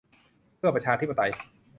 เพื่อประชาธิปไตย